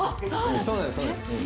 そうなんです。